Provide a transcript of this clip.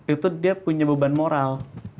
itu dia punya beban moral